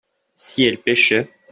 si elles pêchaient.